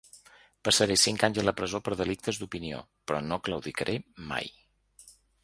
Passaré cinc anys a la presó per delictes d’opinió, però no claudicaré mai.